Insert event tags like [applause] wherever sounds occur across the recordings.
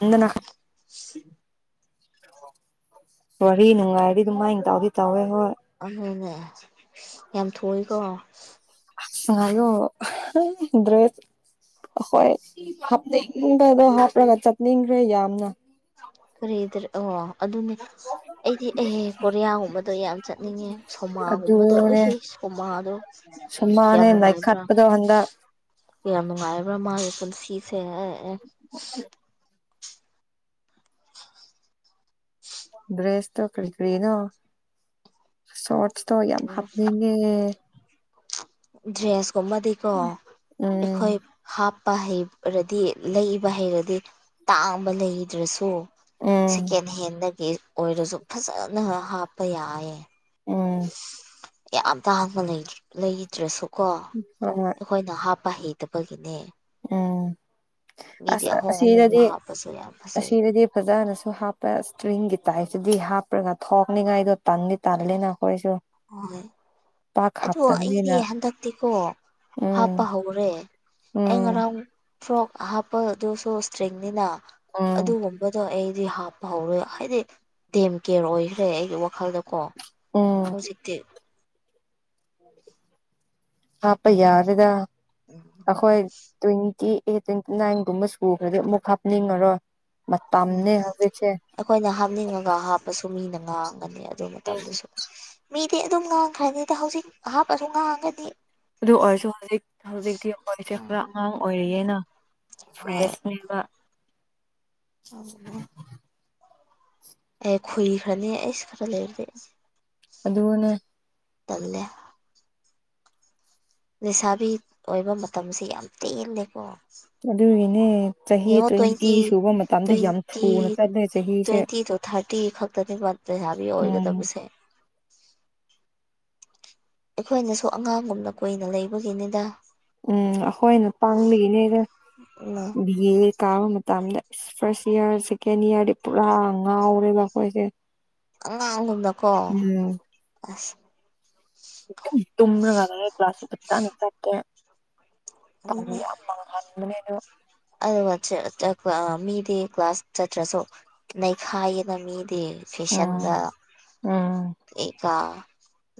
ꯅꯪꯅ ꯋꯥꯔꯤ ꯅꯨꯡꯉꯥꯏꯔꯤ ꯑꯗꯨꯝꯃꯥꯏꯅ ꯇꯧꯗꯤ ꯇꯧꯋꯦ ꯍꯣꯏ ꯑꯗꯨꯅꯦ ꯌꯥꯝ ꯊꯣꯛꯏꯀꯣ ꯁꯥꯉꯥꯏꯂꯨ ꯑꯍꯥ ꯗ꯭ꯔꯦꯁ ꯍꯈꯣꯏ ꯍꯥꯞꯅꯤꯡꯕꯗꯣ ꯍꯥꯞꯂꯒ ꯆꯠꯅꯤꯡꯈ꯭ꯔꯦ ꯌꯥꯝꯅ ꯀꯔꯤꯗꯔ ꯑꯣ ꯑꯗꯨꯅꯦ ꯑꯩꯗꯤ ꯑꯦꯍꯦ ꯀꯣꯔꯤꯌꯥꯒꯨꯝꯕꯗꯣ ꯌꯥꯝ ꯆꯠꯅꯤꯡꯉꯦ ꯁꯣꯃꯥꯒꯨꯝꯕꯗꯣ ꯑꯗꯨꯅꯦ ꯑꯦꯍꯦ ꯀꯣꯃꯥꯗꯣ ꯃꯅꯦ ꯅꯩ ꯈꯥꯠꯄꯗꯣ ꯍꯟꯗꯛ ꯌꯥꯝ ꯅꯨꯡꯉꯥꯏꯕ꯭ꯔ ꯃꯥꯒꯤ ꯄꯨꯟꯁꯤꯁꯦ ꯑꯦ ꯗ꯭ꯔꯦꯁꯇꯣ ꯀꯔꯤ ꯀꯔꯤꯅꯣ ꯁꯣꯠ ꯑꯁꯇꯣꯔ ꯌꯥꯝ ꯍꯥꯞꯅꯤꯡꯉꯦ ꯗ꯭ꯔꯦꯁꯀꯨꯝꯕꯗꯤꯀꯣ ꯎꯝ ꯑꯩꯈꯣꯏ ꯍꯥꯞ ꯍꯩꯔꯗꯤ ꯂꯩꯕ ꯍꯩꯔꯗꯤ ꯇꯥꯡꯕ ꯂꯩꯗ꯭ꯔꯁꯨ ꯎꯝ ꯁꯦꯀꯦꯟ ꯍꯦꯟꯗꯒꯤ ꯑꯣꯏꯔꯁꯨ ꯐꯖꯅ ꯍꯥꯞꯄ ꯌꯥꯌꯦ ꯎꯝ ꯌꯥꯝ ꯇꯡꯕ ꯂꯩꯗ꯭ꯔꯁꯨ ꯀꯣ ꯍꯣꯏ ꯍꯣꯏ ꯑꯩꯈꯣꯏꯅ ꯍꯥꯞ ꯄꯥ ꯍꯩꯗꯕꯒꯤꯅꯦ ꯎꯝ ꯑꯁ ꯑꯍꯣꯡ ꯑꯍꯣꯡꯕ ꯑꯁꯤꯗꯗꯤ ꯍꯥꯞꯄꯁꯨ ꯌꯥꯝ ꯐꯖꯩ ꯑꯁꯤꯗꯗꯤ ꯐꯖꯅ ꯍꯥꯞꯄ ꯏꯁꯇ꯭ꯔꯤꯡꯒꯤ ꯇꯥꯏꯞꯁꯤꯗꯤ ꯍꯥꯞꯄ꯭ꯔꯒ ꯊꯣꯛꯅꯤꯉꯥꯏꯗꯣ ꯇꯟꯗꯤ ꯇꯜꯂꯤꯅ ꯍꯣꯏ ꯑꯣ ꯑꯩꯗꯤ ꯍꯥꯞꯇꯕꯅꯤꯅ ꯍꯟꯗꯛꯇꯤꯀꯣ ꯎꯝ ꯍꯥꯞꯄ ꯍꯧꯔꯦ ꯑꯩ ꯎꯝ ꯉꯔꯥꯡ ꯐ꯭ꯔꯣꯛ ꯍꯥꯞꯄꯗꯨꯁꯨ ꯏꯁꯇ꯭ꯔꯤꯡꯅꯤꯅ ꯎꯝ ꯑꯗꯨꯒꯨꯝꯕꯗꯣ ꯑꯩ ꯍꯥꯞꯄ ꯍꯧꯔꯣꯏ ꯍꯥꯏꯗꯤ ꯗꯦꯝ ꯀꯦꯔ ꯑꯣꯏꯈ꯭ꯔꯦ ꯑꯩꯒꯤ ꯋꯥꯈꯜꯗꯀꯣ ꯎꯝ ꯍꯧꯖꯤꯛꯇꯤ ꯍꯥꯞꯄ ꯌꯥꯔꯦꯗ ꯑꯩꯈꯣꯏ ꯇꯨꯏ ꯑꯩ ꯅꯥꯏꯟꯒꯨꯝꯕ ꯁꯨꯈ꯭ꯔꯗꯤ ꯑꯃꯨꯛ ꯍꯥꯞꯅꯤꯡꯉꯔꯣꯏ ꯎꯝ ꯃꯇꯝꯅꯦ ꯍꯧꯖꯤꯛꯁꯦ ꯑꯩꯈꯣꯏꯅ ꯍꯥꯞꯅꯤꯡꯉꯒ ꯍꯥꯞꯄꯁꯨ ꯃꯤꯅ ꯉꯥꯡ ꯉꯥꯡꯒꯅꯤ ꯑꯗꯨ ꯃꯇꯝꯗꯨꯁꯨ ꯃꯤꯗꯤ ꯑꯗꯨꯝ ꯉꯥꯡꯈ꯭ꯔꯅꯤꯗ ꯍꯧꯖꯤꯛ ꯑꯍꯥꯞꯄꯁꯨ ꯉꯥꯡꯉꯒꯅꯤ ꯑꯗꯨ ꯑꯣꯏꯔꯁꯨ ꯍꯧꯖꯤꯛ ꯍꯧꯖꯤꯛꯇꯤ ꯑꯩꯈꯣꯏꯁꯦ ꯎꯝ ꯈꯔ ꯑꯉꯥꯡ ꯑꯣꯏꯔꯤꯌꯦꯅ ꯍꯣꯏ ꯐ꯭ꯔꯦꯁ ꯅꯦꯕ ꯑꯦ ꯈꯨꯏꯈ꯭ꯔꯅꯦ ꯑꯩꯁ ꯈꯔ ꯂꯩꯔꯗꯤ ꯑꯗꯨꯅꯦ ꯇꯜꯂꯦ ꯂꯩꯁꯥꯕꯤ ꯑꯣꯏꯕ ꯃꯇꯝꯁꯦ ꯌꯥꯝ ꯇꯦꯜꯂꯦꯀꯣ ꯑꯗꯨꯒꯤꯅꯦ ꯆꯍꯤ ꯇ꯭ꯋꯦꯟꯇꯤ ꯁꯨꯕ ꯃꯇꯝꯗ ꯌꯥꯝ ꯇ꯭ꯋꯦꯟꯇꯤ ꯊꯨꯅ ꯆꯠꯂꯦ ꯆꯍꯤꯁꯦ ꯇ꯭ꯋꯦꯟꯇꯤ ꯊꯥꯔꯇꯤ ꯈꯛꯇꯅꯤꯕ ꯂꯩꯁꯕꯤ ꯎꯝ ꯑꯣꯏꯒꯗꯕꯁꯦ ꯑꯩꯈꯣꯏꯅꯁꯨ ꯑꯉꯥꯡꯒꯨꯝꯅ ꯀꯨꯏꯅ ꯂꯩꯕꯒꯤꯅꯤꯗ ꯎꯝ ꯑꯩꯈꯣꯏꯅ ꯄꯥꯡꯂꯤꯒꯤꯅꯦꯗ ꯎꯝ ꯕꯤ ꯑꯦ ꯀꯥꯕ ꯃꯇꯝꯗ ꯐꯥꯔꯁ ꯏꯌꯥꯔ ꯁꯦꯀꯦꯟ ꯏꯌꯥꯔꯗꯤ ꯄꯨꯔꯥ ꯉꯥꯎꯔꯦꯕ ꯑꯩꯈꯣꯏꯁꯦ ꯑꯉꯥꯡꯒꯨꯝꯅꯀꯣ ꯎꯝ ꯑꯁ ꯑꯗꯨꯝ ꯇꯨꯝꯃꯒ ꯀ꯭ꯂꯥꯁ ꯉꯟꯇꯅ ꯆꯠꯀꯦ ꯃꯥꯇꯝ ꯌꯝ ꯃꯡꯍꯅꯕꯅꯦ ꯑꯦ ꯋꯥꯆꯞꯇ ꯃꯤꯗꯤ ꯀ꯭ꯂꯥꯁ ꯆꯠꯇ꯭ꯔꯁꯨ ꯅꯩꯈꯥꯏꯌꯦꯗ ꯃꯤ ꯎꯝ ꯐꯦꯁꯟꯗ ꯎꯝ ꯑꯦꯀ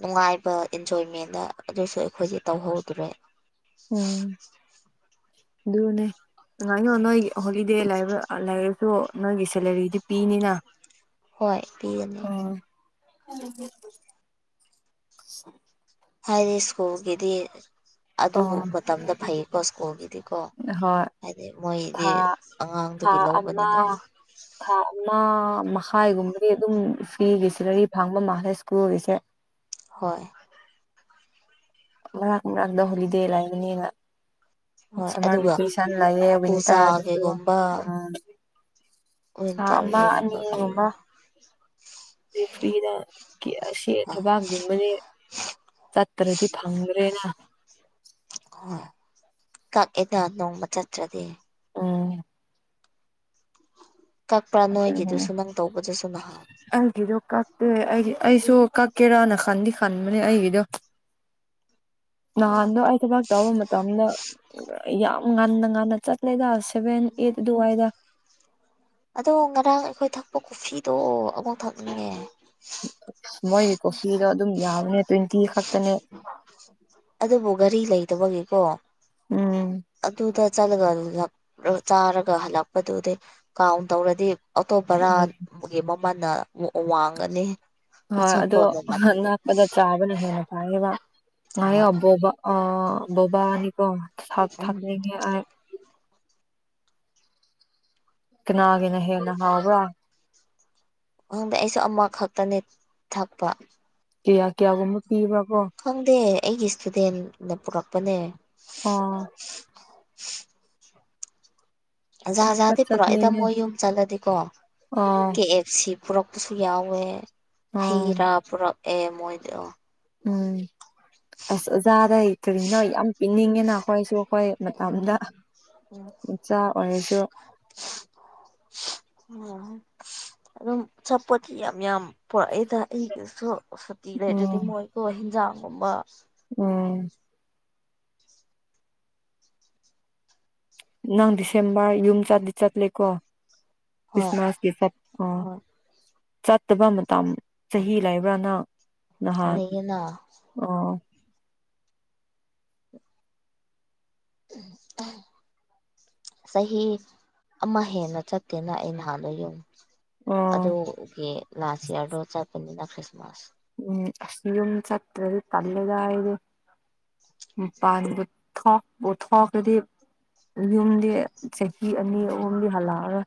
ꯅꯨꯡꯉꯥꯏꯕ ꯏꯟꯖꯣꯏꯃꯦꯟꯗ ꯑꯗꯨꯁꯨ ꯑꯩꯈꯣꯏꯗꯤ ꯇꯧꯍꯧꯗ꯭ꯔꯦ ꯎꯝ ꯑꯗꯨꯅꯦ ꯅꯨꯡꯉꯥꯏꯌꯨ ꯅꯣꯏ ꯍꯣꯂꯤꯗꯦ ꯂꯩꯕ ꯂꯥꯏꯛꯁꯨ ꯅꯣꯏꯒꯤ ꯁꯦꯂꯔꯤꯗꯤ ꯄꯤꯅꯤꯅ ꯍꯣꯏ ꯄꯤꯒꯅꯤ ꯎꯝ [unintelligible] ꯍꯥꯏꯗꯤ ꯁ꯭ꯀꯨꯜꯒꯤꯗꯤ ꯑꯗꯨ ꯑꯣ ꯃꯇꯝꯗ ꯐꯩꯀꯣ ꯁ꯭ꯀꯨꯜꯒꯤꯗꯤꯀꯣ ꯍꯣꯏ ꯍꯥꯏꯗꯤ ꯃꯣꯏꯗꯤ ꯊꯥ ꯊꯥ ꯑꯉꯥꯡꯗꯒꯤ ꯑꯃ ꯂꯧꯕꯅꯤꯗꯅ ꯊꯥ ꯑꯃ ꯃꯈꯥꯏꯒꯨꯝꯕꯗꯤ ꯑꯗꯨꯝ ꯐ꯭ꯤꯒꯤ ꯁꯤꯂꯔꯤ ꯐꯪꯕ ꯃꯥꯜꯂꯦ ꯁ꯭ꯀꯨꯜꯒꯤꯁꯦ ꯍꯣꯏ ꯃꯔꯥꯛ ꯃꯔꯥꯛꯇ ꯍꯣꯂꯤꯗꯦ ꯂꯩꯕꯅꯤꯅ ꯍꯣꯏ ꯁꯝꯃꯔ ꯑꯗꯨꯒ ꯕꯤꯀꯦꯁꯅ ꯂꯩꯌꯦ ꯋꯤꯟꯇꯔꯗꯁꯨ ꯄꯨꯖꯥꯒꯤꯒꯨꯝꯕ ꯁꯥ ꯊꯥ ꯑꯃ ꯑꯅꯤ ꯋꯤꯟꯇꯔꯒꯤꯒꯨꯝꯕ ꯄꯤꯕ ꯒꯨꯝꯕ ꯔꯦꯐ꯭ꯔꯤꯗ ꯑꯁꯤ ꯍꯣꯏ ꯊꯕꯥꯛꯒꯨꯝꯕꯗꯤ ꯆꯠꯇ꯭ꯔꯗꯤ ꯐꯪꯗ꯭ꯔꯥ ꯂꯩꯅ ꯍꯣꯏ ꯀꯛꯑꯦꯗ ꯅꯣꯡꯃ ꯆꯠꯇ꯭ꯔꯗꯤ ꯑꯣ ꯀꯛꯄ꯭ꯔꯥ ꯅꯣꯏꯒꯤꯗꯨꯁꯨ ꯅꯪ ꯇꯧꯕꯗꯨꯁꯨ ꯅꯍꯥꯟ [unintelligible] ꯅꯪꯒꯤꯗꯣ ꯀꯛ ꯑꯦ ꯑꯩꯁꯨ ꯀꯛꯀꯦꯔꯥꯅ ꯈꯟꯗꯤ ꯈꯟꯕꯅꯦ ꯑꯩꯒꯤꯗꯣ ꯅꯍꯥꯟꯗꯣ ꯑꯩ ꯊꯕꯛ ꯇꯧꯕ ꯃꯇꯝꯗ ꯌꯥꯝ ꯉꯟꯅ ꯉꯟꯅ ꯆꯠꯂꯦꯗ ꯁꯦꯚꯦꯟ ꯑꯩꯠ ꯑꯗꯨꯋꯥꯏꯗ ꯑꯗꯣ ꯉꯔꯥꯡ ꯑꯩꯈꯣꯏ ꯊꯛꯄ ꯀꯣꯐꯤꯗꯣ ꯑꯃꯨꯛ ꯊꯛꯅꯤꯡꯉꯦ ꯗꯤ ꯈꯛꯇꯅꯦ ꯑꯗꯨꯕꯨ ꯒꯥꯔꯤ ꯂꯩꯗꯕꯒꯤꯀꯣ ꯎꯝ ꯑꯗꯨꯗ ꯆꯠꯂꯒ ꯆꯥꯔꯒ ꯍꯜꯂꯛꯄꯗꯨꯗꯤ ꯀꯥꯎꯟ ꯇꯧꯔꯗꯤ ꯎꯝ ꯑꯣꯇꯣꯕꯔꯥꯒꯤ ꯃꯃꯜꯅ ꯋꯥꯡꯒꯅꯤ ꯍꯣꯏ ꯑꯗꯣ ꯑꯆꯥꯄꯣꯠꯅ ꯃꯟꯕꯒꯤ ꯅꯛꯄꯗ ꯆꯥꯕꯅ ꯍꯦꯟꯅ [unintelligible] ꯉꯥꯏꯌꯣ ꯍꯣꯏ ꯕꯣꯕꯥ ꯑ ꯕꯣꯕꯥꯅꯤꯀꯣ ꯊꯛ ꯎꯝ ꯊꯛꯅꯤꯡꯉꯦ ꯑꯩ ꯀꯅꯥꯒꯤꯅ ꯍꯦꯟꯅ ꯍꯥꯥꯎꯕ꯭ꯔ ꯈꯪꯗꯦ ꯑꯩꯁꯨ ꯑꯃꯈꯛꯇꯅꯤ ꯊꯛꯄ ꯀꯌꯥ ꯀꯌꯥꯒꯨꯝꯕ ꯄꯤꯕ꯭ꯔ ꯀꯣ ꯈꯪꯗꯦ ꯑꯩꯒꯤ ꯁ꯭ꯇꯨꯗꯦꯟꯅ ꯄꯨꯔꯛꯄꯅꯦ ꯑꯥ ꯑꯖ ꯊꯛꯄ ꯖꯥꯗꯤ ꯄꯨꯔꯛꯏꯗ ꯆꯠꯅꯤꯡꯉꯦ ꯃꯣꯏ ꯌꯨꯝ ꯆꯠꯂꯗꯤꯀꯣ ꯑꯥ ꯀꯦ ꯑꯦꯐ ꯁꯤ ꯄꯨꯔꯛꯄꯁꯨ ꯌꯥꯎꯋꯦ ꯍꯩ ꯑꯥ ꯔꯥ ꯄꯨꯔꯛꯑꯦ ꯃꯣꯏꯗꯣ ꯎꯝ ꯑꯁ ꯑꯣꯖꯥꯗ ꯀꯔꯤꯅꯣ ꯌꯥꯝ ꯄꯤꯅꯤꯡꯉꯦꯅ ꯈꯣꯏꯁꯨ ꯍꯣꯏ ꯃꯇꯝꯗ ꯏꯆꯥ ꯑꯣꯏꯔꯁꯨ [inaudible] ꯑꯗꯨꯝ ꯆꯄꯣꯠꯇꯤ ꯌꯥꯝ ꯌꯥꯝ ꯄꯣꯔꯛꯑꯦꯗ ꯑꯩꯗꯁꯨ ꯁꯨꯇꯤ ꯂꯩꯇ꯭ꯔꯗꯤ ꯎꯝ ꯃꯣꯏꯀꯣ ꯍꯤꯟꯖꯥꯡꯒꯨꯝꯕ ꯎꯝ ꯅꯪ ꯗꯤꯁꯦꯝꯕꯔ ꯌꯨꯝ ꯆꯠꯗꯤ ꯆꯠꯂꯤꯀꯣ ꯍꯣꯏ ꯀ꯭ꯔꯤꯁꯃꯥꯁꯀꯤ ꯆꯠ ꯎꯝ ꯍꯣꯏ ꯆꯠꯇꯕ ꯃꯇꯝ ꯆꯍꯤ ꯂꯩꯕ꯭ꯔ ꯅꯪ ꯅꯍꯥꯟ ꯂꯩꯌꯦꯅ ꯑꯣ [inaudible] ꯆꯍꯤ ꯑꯃ ꯍꯦꯟꯅ ꯆꯠꯇꯦꯅ ꯑꯩ ꯅꯍꯥꯟꯗꯩ ꯌꯨꯝ ꯑꯣ ꯑꯗꯨꯒꯤ ꯂꯥꯁ ꯏꯌꯔꯗꯣ ꯆꯠꯄꯅꯤꯅ ꯈ꯭ꯔꯤꯁꯃꯥꯁ ꯎꯝ ꯑꯁ ꯌꯨꯝ ꯆꯠꯇ꯭ꯔꯗꯤ ꯇꯜꯂꯤꯗ ꯑꯩꯗꯤ ꯃꯄꯥꯟꯕꯨ ꯊꯣꯛꯄꯨ ꯊꯣꯛꯂꯗꯤ ꯌꯨꯝꯗꯤ ꯆꯍꯤ ꯑꯅꯤ ꯑꯍꯨꯝꯗꯤ ꯍꯜꯂꯛꯑꯔꯣꯏ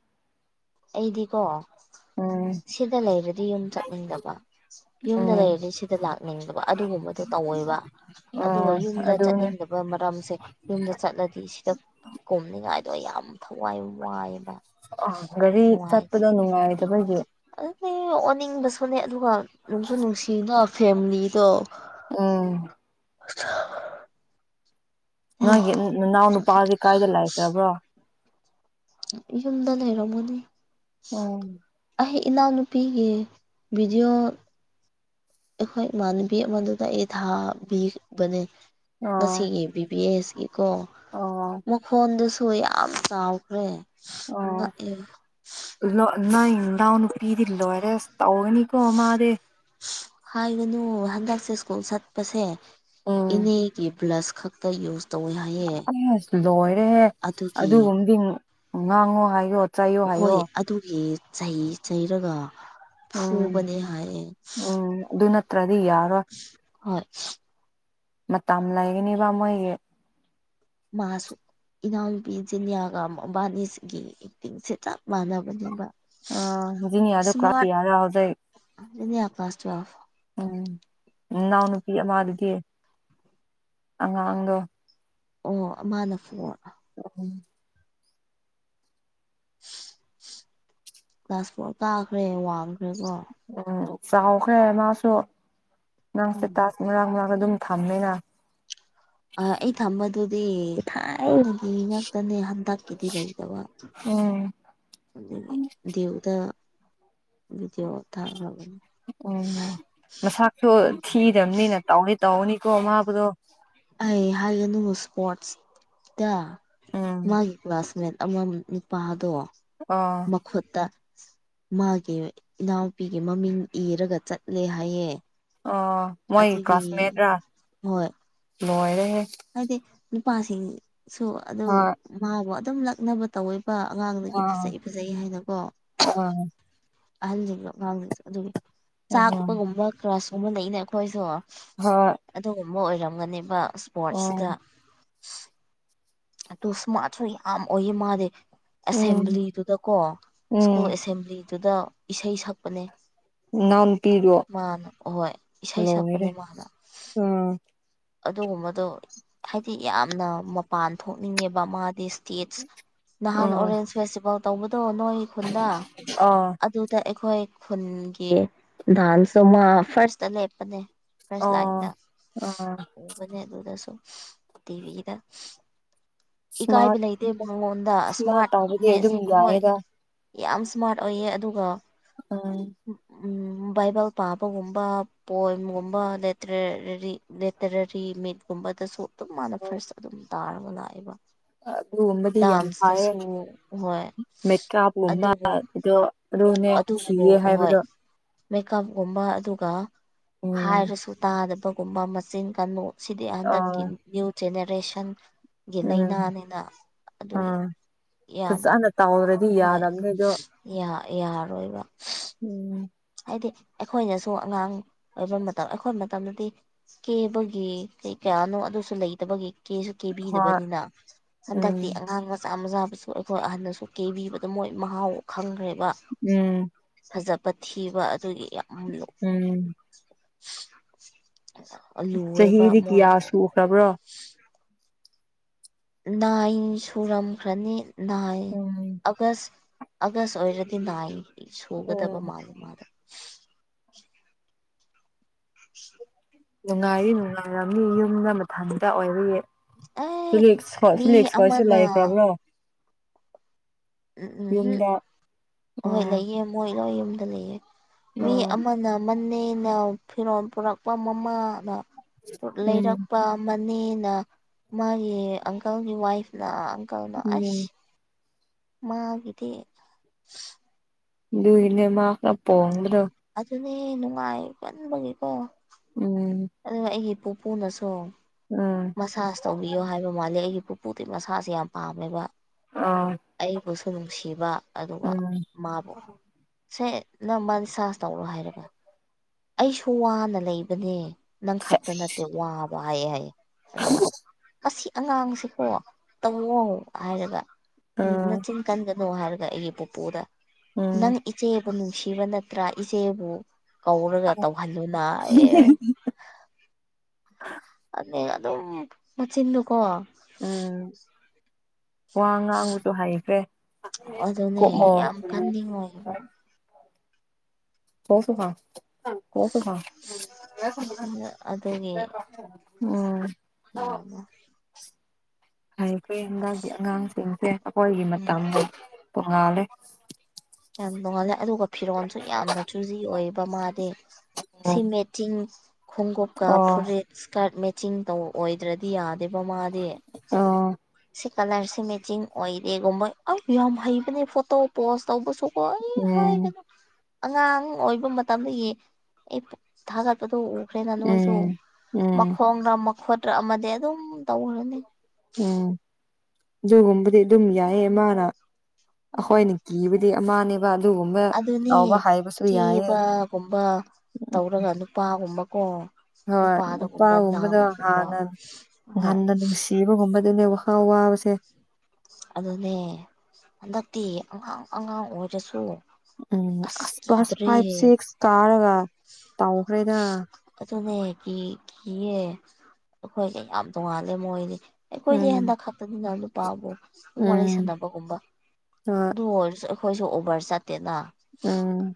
ꯑꯩꯗꯤꯀꯣ ꯎꯝ ꯁꯤꯗ ꯂꯩꯔꯗꯤ ꯌꯨꯝ ꯆꯠꯅꯤꯡꯗꯕ ꯌꯨꯝꯗ ꯎꯝ ꯂꯩꯔꯗꯤ ꯁꯤꯗ ꯂꯥꯛꯅꯤꯡꯗꯕ ꯑꯗꯨꯒꯨꯝꯕꯗꯣ ꯇꯧꯋꯦꯕ ꯑꯗꯨꯒ ꯑꯣ ꯌꯨꯝꯗ ꯑꯗꯨꯅꯦ ꯆꯠꯅꯤꯡꯗꯕ ꯃꯔꯝꯁꯦ ꯌꯨꯝꯗ ꯆꯠꯂꯗꯤ ꯁꯤꯗ ꯀꯣꯝꯅꯤꯡꯉꯥꯏ ꯑꯗꯣ ꯌꯥꯝ ꯊꯋꯥꯏ ꯋꯥꯏ ꯑ ꯒꯥꯔꯤ ꯆꯠꯄꯗꯣ ꯅꯨꯡꯉꯥꯏꯇꯕꯒꯤ ꯑꯣ ꯑꯣꯅꯤꯡꯕꯁꯨꯅꯦ ꯑꯗꯨꯒ ꯅꯨꯡꯁꯨ ꯅꯨꯡꯁꯤꯕ ꯐꯦꯝꯂꯤꯗꯣ ꯎꯝ [inaudible] ꯅꯣꯏꯒꯤ ꯅꯅꯥꯎ ꯅꯨꯄꯥꯗꯤ ꯀꯥꯏꯗ ꯂꯥꯏꯈ꯭ꯔꯕ꯭ꯔꯣ ꯌꯨꯝꯗ ꯂꯩꯔꯝꯒꯅꯤ ꯎꯝ ꯑꯩ ꯏꯅꯥꯎꯅꯨꯄꯤꯒꯤ ꯚꯤꯗꯤꯑꯣ ꯑꯩꯈꯣꯏ ꯏꯃꯥꯟꯅꯕꯤ ꯑꯃꯗꯨꯗ ꯑꯩ ꯊꯥꯕꯤꯕꯅꯦ ꯑꯣ ꯉꯁꯤꯒꯤ ꯕꯤꯕꯤꯑꯦꯁꯀꯤ ꯀꯣ ꯑꯣ ꯃꯈꯣꯟꯗꯨꯁꯨ ꯊꯣꯏ ꯌꯥꯝ ꯆꯥꯎꯈ꯭ꯔꯦ ꯑꯧ ꯉꯛꯑꯦꯕ ꯂꯣꯏ ꯅꯣꯏ ꯅꯅꯥꯎꯅꯨꯄꯤꯗꯤ ꯂꯣꯏꯔꯦ ꯇꯧꯒꯅꯤ ꯀꯣ ꯃꯥꯗꯤ ꯍꯥꯏꯒꯅꯨ ꯍꯟꯗꯛꯁꯦ ꯁ꯭ꯀꯨꯜ ꯆꯠꯄꯁꯦ ꯎꯝ ꯏꯅꯦꯒꯤ ꯄ꯭ꯂꯁ ꯈꯛꯇ ꯌꯨꯁ ꯇꯧꯋꯦ ꯍꯥꯏꯌꯦ ꯑꯁ ꯂꯣꯏꯔꯦꯍꯦ ꯑꯗꯨꯒꯤ ꯑꯗꯨꯒꯨꯝꯕꯗꯤ ꯉꯥꯡꯉꯣ ꯍꯥꯏꯌꯣ ꯆꯩꯌꯣ ꯍꯥꯏꯌꯣ ꯍꯣꯏ ꯑꯗꯨꯒꯤ ꯆꯩ ꯆꯩꯔꯒ ꯎꯝ ꯐꯨꯕꯅꯦ ꯍꯥꯏꯑꯦ ꯗꯤ ꯌꯥꯔꯣꯏ ꯍꯣꯏ ꯃꯇꯝ ꯂꯩꯒꯅꯤꯕ ꯃꯣꯏꯒꯤ ꯃꯥꯁꯨ ꯏꯅꯥꯎꯅꯨꯄꯤ ꯖꯤꯂꯤꯌꯥꯒ ꯃꯕꯥꯟꯅꯤꯁꯤꯒꯤ ꯑꯦꯛꯇꯤꯡꯁꯦ ꯆꯞ ꯃꯥꯟꯅꯕꯅꯦꯕ ꯑꯣ ꯖꯦꯅꯦꯌꯥꯗꯣ ꯀ꯭ꯂꯥꯁ ꯁ꯭ꯃꯥꯔꯠ ꯀꯌꯥꯔꯥ ꯍꯧꯖꯤꯛ ꯖꯤꯅꯤꯌꯥ ꯀ꯭ꯂꯥꯁ ꯇꯨꯋꯦꯜꯐ ꯎꯝ ꯏꯅꯥꯎ ꯅꯨꯄꯤ ꯑꯃꯗꯨꯗꯤ ꯑꯉꯥꯡꯗꯣ ꯑꯣ ꯑꯃꯥꯅ ꯐꯣꯔ [unintelligible] ꯀ꯭ꯂꯥꯁ ꯐꯣꯔ ꯀꯥꯈ꯭ꯔꯦ ꯋꯥꯡꯈ꯭ꯔꯦꯀꯣ ꯆꯥꯎꯈꯧꯈ꯭ꯔꯦ ꯃꯥꯁꯨ ꯅꯪꯁꯦ ꯎꯝ ꯇꯥꯁ ꯃꯔꯥꯡ ꯃꯔꯥꯡ ꯑꯗꯨꯝ ꯊꯝꯃꯤꯅ ꯑꯥ ꯑꯩ ꯊꯝꯕꯗꯨꯗꯤ ꯊꯥꯏ ꯑꯩꯒꯤ ꯉꯥꯛꯇꯅꯦ ꯍꯟꯗꯛꯀꯤꯗꯤ ꯂꯩꯇꯕ ꯎꯝ ꯑꯗꯨꯒꯤ ꯗ꯭ꯌꯨꯗ ꯚꯤꯗꯤꯑꯣ ꯊꯥꯈ꯭ꯔꯕ ꯎꯝ ꯃꯁꯛꯇꯣ ꯊꯤꯗꯕꯅꯤꯅ ꯇꯧꯗꯤ ꯇꯧꯕꯅꯤꯀꯣ ꯃꯥꯕꯨꯗꯣ ꯑꯩ ꯍꯥꯏꯒꯅꯨ ꯏꯁꯄꯣꯔꯠꯁꯇ ꯎꯝ ꯃꯥꯒꯤ ꯀ꯭ꯂꯥꯁꯃꯦꯠ ꯑꯃ ꯅꯨꯄꯥꯗꯣ ꯑꯥ ꯃꯈꯨꯠꯇ ꯃꯥꯒꯤ ꯏꯅꯥꯎꯄꯤꯒꯤ ꯃꯃꯤꯡ ꯏꯔꯒ ꯆꯠꯂꯦ ꯍꯥꯏꯌꯦ ꯑꯣ ꯃꯣꯏ ꯑꯗꯨꯒꯤ ꯀ꯭ꯂꯥꯁꯃꯦꯠꯔꯥ ꯍꯣꯏ ꯂꯣꯏꯔꯦꯍꯦ ꯍꯥꯏꯗꯤ ꯅꯨꯄꯥꯁꯤꯡꯁꯨ ꯑꯗꯨꯝ ꯍꯣꯏ ꯃꯥꯕꯨ ꯑꯗꯨꯝ ꯂꯛꯅꯕ ꯇꯧꯋꯦ ꯄꯥ ꯑꯉꯥꯡꯗꯒꯤ ꯑꯥ ꯐꯖꯩ ꯐꯖꯩ ꯍꯥꯏꯅꯀꯣ ꯑꯥ ꯑꯍꯜꯖꯤꯡꯗꯣ ꯉꯥꯡꯅꯩ ꯑꯗꯨꯝ ꯎꯝ ꯆꯥꯛꯄꯒꯨꯝꯕ ꯀ꯭ꯔꯁꯀꯨꯝꯕ ꯂꯩꯅꯦ ꯑꯩꯈꯣꯏꯁꯨ ꯍꯣꯏ ꯑꯃ ꯑꯣꯏꯔꯝꯒꯅꯦꯕ ꯏꯁꯄꯣꯔꯠꯁꯇ ꯎꯝ ꯑꯗꯨ ꯏꯁꯃꯥꯠꯁꯨ ꯌꯥꯝ ꯑꯣꯏꯌꯦ ꯃꯥꯗꯤ ꯎꯝ ꯑꯦꯁꯦꯝꯕ꯭ꯂꯤꯗꯨꯗꯀꯣ ꯁ꯭ꯀꯨꯜ ꯎꯝ ꯑꯦꯁꯦꯝꯕ꯭ꯂꯤꯗꯨꯗ ꯏꯁꯩ ꯁꯛꯄꯅꯦ ꯅꯅꯥꯎ ꯅꯨꯄꯤꯗꯨ ꯃꯥꯅ ꯑꯍꯣꯏ ꯏꯁꯩ ꯂꯣꯏꯔꯦ ꯁꯛꯄꯅꯦ ꯃꯥꯅ ꯎꯝ ꯑꯗꯨꯒꯨꯝꯕꯗꯣ ꯍꯥꯏꯗꯤ ꯌꯥꯝꯅ ꯃꯄꯥꯟ ꯊꯣꯛꯅꯤꯡꯉꯦꯕ ꯃꯥꯗꯤ ꯇꯤꯠꯁ ꯅꯍꯥꯟ ꯎꯝ ꯑꯣꯔꯦꯟꯖ ꯐꯦꯁꯇꯤꯚꯦꯜ ꯇꯧꯕꯗꯣ ꯅꯣꯏ ꯈꯨꯟꯗ ꯑꯥ ꯑꯗꯨꯗ ꯑꯩꯈꯣꯏ ꯈꯨꯟꯒꯤ ꯗꯥꯟꯁꯇꯣ ꯃꯥ ꯐꯥꯔꯁꯇ ꯂꯩꯄꯅꯦ ꯑꯣ ꯑꯣ ꯅꯦ ꯑꯗꯨꯗꯁꯨ ꯇꯤꯕꯤꯗ ꯏꯁꯃꯥꯔꯠ ꯏꯀꯥꯏꯕ ꯂꯩꯇꯦ ꯃꯉꯣꯟꯗ ꯁꯨꯃꯥꯏꯅ ꯇꯧꯕꯗꯤ ꯏꯁꯃꯥꯔꯠꯅꯦꯁ ꯑꯗꯨꯝ ꯑꯣꯏ ꯌꯥꯏꯌꯦꯗ ꯌꯥꯝ ꯁ꯭ꯃꯥꯔꯠ ꯑꯣꯏꯌꯦ ꯑꯗꯨꯒ ꯑꯥ ꯎꯝ ꯕꯥꯏꯕꯜ ꯄꯥꯕꯒꯨꯝꯕ ꯄꯣꯏꯝꯒꯨꯝꯕ ꯂꯇꯔꯦꯔꯤ ꯂꯦꯇꯔꯔꯤ ꯃꯤꯠꯀꯨꯝꯕꯗꯁꯨ ꯑꯗꯨꯝ ꯃꯥꯅ ꯐꯥꯔꯁ ꯑꯗꯨꯝ ꯇꯥꯔꯒ ꯂꯥꯛꯑꯦꯕ ꯑꯥ ꯑꯗꯨꯒꯨꯝꯕꯗꯤ ꯌꯥꯝ ꯐꯥꯏꯌꯦ ꯗꯥꯟꯁꯇꯁꯨ ꯍꯣꯏ ꯃꯦꯀꯥꯞꯀꯨꯝꯕ ꯑꯗꯨꯕꯨ ꯑꯗꯣ ꯑꯗꯨꯅꯦ ꯑꯗꯨꯕꯨ ꯊꯤꯌꯦ ꯍꯣꯏ ꯍꯥꯏꯕꯗꯣ ꯃꯦꯀꯞꯒꯨꯝꯕ ꯑꯗꯨꯒ ꯎꯝ ꯍꯥꯏꯔꯁꯨ ꯇꯥꯗꯕ ꯀꯨꯝꯕ ꯃꯆꯤꯟ ꯀꯥꯟꯕꯒꯨ ꯁꯤꯗꯤ ꯍꯟꯗꯛꯀꯤ ꯑꯥ ꯅꯤꯌꯨ ꯖꯦꯅꯦꯔꯦꯁꯟ ꯒꯤ ꯎꯝ ꯂꯥꯏꯅꯥꯅꯤꯅ ꯑꯗꯨꯒꯤ ꯑꯥ ꯌꯥꯝ ꯐꯖꯅ ꯇꯧꯗ꯭ꯔꯗꯤ ꯍꯣꯏ ꯌꯥꯗꯕꯅꯦ ꯑꯗꯣ ꯌꯥ ꯌꯥꯔꯣꯏꯕ ꯎꯝ ꯍꯥꯏꯗꯤ ꯑꯩꯈꯣꯏꯅꯁꯨ ꯑꯉꯥꯡ ꯑꯣꯏꯕ ꯃꯇꯝ ꯑꯩꯈꯣꯏ ꯃꯇꯝꯗꯗꯤ ꯀꯦꯕꯒꯤ ꯀꯩ ꯀ ꯑꯗꯨꯁꯨ ꯂꯩꯇꯕꯒꯤ ꯀꯦꯁꯨ ꯍꯣꯏ ꯀꯦꯕꯤꯗꯕꯅꯤꯅ ꯎꯝ ꯍꯟꯗꯛꯇꯤ ꯑꯉꯥꯡ ꯃꯆꯥ ꯃꯆꯥꯕꯁꯨ ꯑꯩꯈꯣꯏ ꯑꯍꯟꯗꯁꯨ ꯀꯦꯕꯤꯕꯗ ꯃꯣꯏ ꯃꯍꯥꯎ ꯈꯪꯈ꯭ꯔꯦꯕ ꯎꯝ ꯐꯖꯕ ꯊꯤꯕ ꯑꯗꯨꯒꯤ ꯌ ꯎꯝ ꯂꯨꯑꯦꯕ ꯆꯍꯤꯗꯤ ꯀꯤꯌꯥ ꯃꯣꯏꯕꯨ ꯁꯨꯈ꯭ꯔꯕ꯭ꯔꯣ ꯅꯥꯏꯟ ꯁꯨꯔꯝꯈ꯭ꯔꯅꯤ ꯅꯥꯏꯟ ꯎꯝ ꯑꯥꯒꯁ ꯑꯥꯒꯁ ꯑꯣꯏꯔꯗꯤ ꯅꯥꯏꯟ ꯁꯨꯒꯗꯕ ꯎꯝ ꯃꯥꯂ ꯃꯥꯗꯣ [inaudible] ꯅꯨꯡꯉꯥꯏꯔꯤ ꯅꯨꯡꯉꯥꯏꯔꯝꯅꯤ ꯌꯨꯝꯗ ꯃꯊꯟꯇ ꯑꯣꯏꯕꯒꯤ ꯑꯦ ꯐꯁ ꯃꯤ ꯐꯤꯁ ꯀꯁꯨ ꯑꯃꯅ ꯂꯥꯏꯐ꯭ꯔꯕ꯭ꯔꯣ ꯎꯝ ꯎꯝ ꯎꯝ ꯌꯨꯝꯗ ꯍꯣꯏ ꯑꯣ ꯂꯩꯌꯦ ꯃꯣꯏ ꯌꯨꯝꯗ ꯂꯩꯌꯦ ꯃꯤ ꯑꯣ ꯑꯃꯅ ꯃꯅꯤꯡ ꯅꯤꯅ ꯐꯤꯔꯣꯜ ꯄꯨꯔꯛꯄ ꯃꯃꯥꯅ ꯎꯝ ꯂꯩꯔꯛꯄ ꯃ ꯅꯤꯅ ꯃꯥꯒꯤ ꯑꯪꯀꯜꯒꯤ ꯋꯥꯏꯐꯅ ꯑꯪꯀꯜꯅ ꯎꯝ ꯑꯁ ꯃꯥꯒꯤꯗꯤ ꯗꯨꯏꯅꯦ ꯃꯥꯈ ꯄꯣꯡꯕꯗꯣ ꯑꯦ ꯅꯨꯡꯉꯥꯏ ꯃꯟꯕꯒꯤꯀꯣ ꯎꯝ ꯄꯨꯄꯨꯅꯁꯨ ꯎꯝ ꯃꯁꯥꯥꯁ ꯇꯧꯕꯤꯌꯣ ꯍꯥꯏꯕ ꯃꯥꯂꯦ ꯑꯩꯒꯤ ꯄꯨꯄꯨꯗꯤ ꯃꯁꯥꯁꯦ ꯌꯥꯝ ꯄꯥꯝꯃꯦꯕ ꯑꯥ ꯑꯩꯕꯨꯁꯨ ꯅꯨꯡꯁꯤꯕ ꯑꯗꯨꯒ ꯎꯝ ꯃꯥꯕꯨ ꯁꯦ ꯅꯃꯟ ꯁꯥꯥꯁ ꯇꯧꯔꯣ ꯍꯥꯏꯔꯒ ꯑꯩꯁꯨ ꯋꯥꯅ ꯂꯩꯕꯅꯦ ꯅꯪ ꯈꯛꯇ ꯅꯠꯇꯦ ꯋꯥꯕ ꯍꯥꯏꯌꯦ ꯍꯥꯏꯌꯦ ꯑꯗꯨꯒ ꯃꯁꯤ ꯑꯉꯥꯡꯁꯤꯀꯣ ꯇꯧꯅꯣ ꯍꯥꯏꯔꯒ ꯑꯥ ꯅꯆꯤꯟ ꯀꯟꯒꯅꯨ ꯍꯥꯏꯔꯒ ꯑꯩꯒꯤ ꯄꯨꯄꯨꯗ ꯎꯝ ꯅꯪ ꯏꯆꯦ ꯅꯨꯡꯁꯤꯕ ꯅꯠꯇ꯭ꯔꯥ ꯏꯆꯦꯕꯨ ꯀꯧꯔꯒ ꯇꯧꯍꯜꯂꯨꯅ ꯑꯦ ꯑꯅꯦ ꯑꯗꯨꯝ ꯃꯆꯤꯟꯗꯨ ꯀꯣ ꯎꯝ ꯋꯥ ꯉꯥꯡꯕꯁꯨ ꯍꯩꯈ꯭ꯔꯦ ꯑꯗꯨꯅꯦ ꯀꯣꯛꯃꯣ ꯌꯥꯝ ꯀꯟꯅꯤꯡꯉꯣꯏꯕ [unintelligible] ꯃꯥꯅꯦ ꯌꯥꯅꯦ ꯍꯥꯏ ꯐꯦ ꯍꯟꯗꯛꯀꯤ ꯑꯉꯥꯡꯁꯤꯡꯁꯦ ꯑꯩꯈꯣꯏꯒꯤ ꯎꯝ ꯃꯇꯝꯗ ꯇꯣꯉꯥꯜꯂꯦ ꯌꯥꯝ ꯅꯣꯉꯥꯜꯂꯦ ꯑꯗꯨꯒ ꯐꯤꯔꯣꯜꯁꯨ ꯌꯥꯝꯅ ꯆꯨꯖꯤ ꯑꯣꯏꯑꯦꯕ ꯃꯥꯗꯤ ꯎꯝ ꯁꯤꯃꯦꯇꯤꯡ ꯈꯣꯡꯎꯞꯀ ꯑꯣ ꯐꯨꯔꯤꯠ ꯏꯁꯀ꯭ꯔꯠ ꯃꯦ ꯆꯤꯡ ꯇꯧ ꯑꯣꯏꯗ꯭ꯔꯗꯤ ꯌꯥꯗꯦꯕ ꯃꯥꯗꯤ ꯑꯣ ꯁꯤ ꯀꯂꯔꯁꯦ ꯃꯦꯠꯆꯤꯡ ꯑꯣꯏꯔꯦꯒꯨꯝꯕꯣꯏ ꯑ ꯌꯥꯝ ꯍꯩꯕꯅꯦ ꯐꯣꯇꯣ ꯄꯣꯁ ꯇꯧꯕꯁꯨ ꯍꯣꯏ ꯍꯥꯏꯌꯒ ꯎꯝ ꯑꯉꯥꯡ ꯑꯣꯏꯕ ꯃꯇꯝꯗꯒꯤ ꯑꯩꯕꯨ ꯊꯥꯒꯠꯄꯗꯣ ꯎ ꯐ꯭ꯔꯦꯗ ꯅꯣꯏꯁꯨ ꯎꯝ ꯎꯝ ꯃꯈꯣꯡꯔꯥ ꯃꯈꯨꯠꯔꯥ ꯑꯃꯗꯤ ꯑꯗꯨꯝ ꯇꯧꯔꯅꯤ ꯎꯝ ꯑꯗꯨꯒꯨꯝꯕꯗꯤ ꯑꯗꯨꯝ ꯌꯥꯏꯌꯦ ꯃꯥꯅ ꯑꯩꯈꯣꯏꯅ ꯀꯤꯕ ꯗꯤ ꯑꯃꯅꯦ ꯑꯗꯨꯒꯨꯝꯕ ꯑꯗꯨꯅꯦ ꯌꯥꯥꯎꯕ ꯍꯥꯏꯕꯁꯨ ꯌꯥꯏꯌꯦ ꯀꯦꯕꯒꯨꯝꯕ ꯎꯝ ꯇꯧꯔꯒ ꯅꯨꯄꯥꯒꯨꯝꯕꯀꯣ ꯍꯣꯏ ꯅꯨꯄꯥꯗꯒꯨꯝꯕ ꯅꯨꯄꯥꯒꯨꯝꯕꯗꯣ ꯂꯥꯡꯕꯒꯨꯝꯕ ꯍꯥꯟꯅ ꯍꯣꯏ ꯉꯟꯅ ꯅꯨꯡꯁꯤꯕꯒꯨꯝꯕꯗꯨꯅꯦꯕ ꯥ ꯑꯋꯥꯕꯁꯦ ꯑꯗꯨꯅꯦ ꯍꯟꯗꯛꯇꯤ ꯑꯉꯥꯡ ꯑꯉꯥꯡ ꯑꯣꯏꯔꯁꯨ ꯎꯝ ꯑꯁ ꯀ꯭ꯂꯥꯁ ꯐꯥꯏꯚ ꯁꯤꯛꯁ ꯀꯥꯔꯒ ꯇꯧꯈ꯭ꯔꯦꯗ ꯑꯗꯨꯅꯦ ꯀꯤ ꯀꯤꯌꯦ ꯑꯩꯈꯣꯏꯒ ꯌꯥꯝ ꯇꯣꯡꯉꯥꯜꯂꯦ ꯃꯣꯏꯗꯤ ꯑꯩꯈꯣꯏꯗꯤ ꯎꯝ ꯍꯟꯗꯛ ꯈꯛꯇꯅꯤꯅ ꯅꯨꯄꯥꯕꯨ ꯑꯗꯨꯝ ꯋꯥꯔꯤ ꯎꯝ ꯁꯥꯟꯅꯕꯒꯨꯝꯕ ꯍꯣꯏ ꯑꯗꯨ ꯑꯣꯏꯔꯁꯨ ꯑꯩꯈꯣꯏꯁꯨ ꯑꯣꯕ꯭ꯔ ꯆꯠꯇꯦꯅ ꯎꯝ